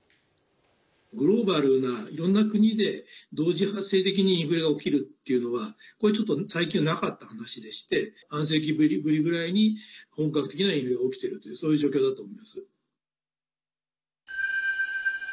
グローバルないろんな国で同時発生的にインフレが起きるっていうのはこれはちょっと最近はなかった話でして半世紀ぶりぐらいに本格的なインフレが起きているというそういう状況だと思います。